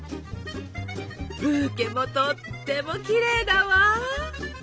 ブーケもとってもきれいだわ！